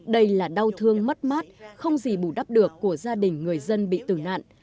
đây là đau thương mất mát không gì bù đắp được của gia đình người dân bị tử nạn